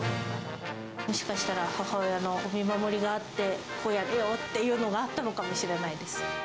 もしかしたら母親のお見守りがあって、こうやってやれよっていうのがあったのかもしれないです。